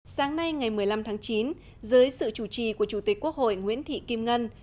sáng nay ngày một mươi năm tháng chín dưới sự chủ trì của chủ tịch quốc hội nguyễn thị kim ngân